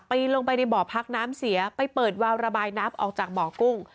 ลงไปในบ่อพักน้ำเสียไปเปิดวาวระบายน้ำออกจากบ่อกุ้ง